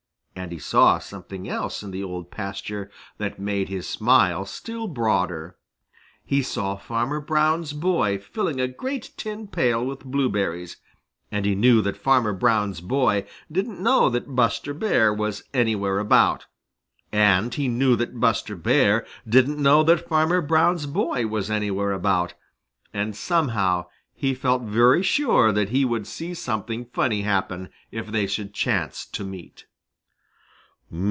And he saw something else in the Old Pasture that made his smile still broader. He saw Farmer Brown's boy filling a great tin pail with blueberries, and he knew that Farmer Brown's boy didn't know that Buster Bear was anywhere about, and he knew that Buster Bear didn't know that Farmer Brown's boy was anywhere about, and somehow he felt very sure that he would see something funny happen if they should chance to meet.